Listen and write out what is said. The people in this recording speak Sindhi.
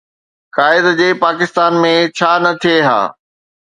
قائد جي پاڪستان ۾ ڇا نه ٿئي ها؟